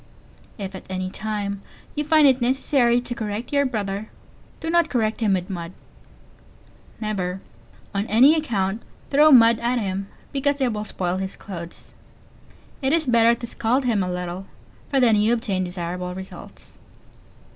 If at any time you find it necessary to correct your brother, do not correct him with mud never, on any account, throw mud at him, because it will spoil his clothes. It is better to scald him a little, for then you obtain desirable results.